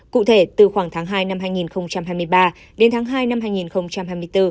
cụ thể từ khoảng tháng hai năm hai nghìn hai mươi ba đến tháng hai năm hai nghìn hai mươi bốn